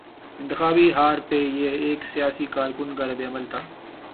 انتخابی ہار پر یہ ایک سیاسی کارکن کا رد عمل تھا۔